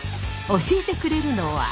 教えてくれるのは。